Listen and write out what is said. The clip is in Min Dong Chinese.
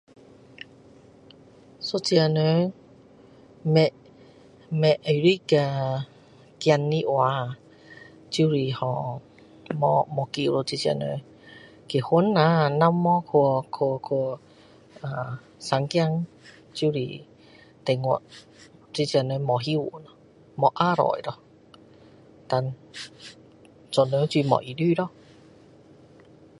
一个人不不喜欢小孩子的话就是没有救了这个人结婚下没有去呃生孩子就是等于这个人没有希望了没有下一代了但做人就是没有意思咯